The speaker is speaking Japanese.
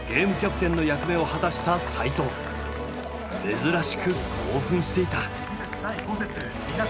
珍しく興奮していた。